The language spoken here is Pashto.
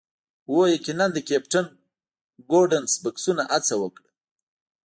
هو یقیناً د کیپټن ګوډنس بکسونه هڅه وکړه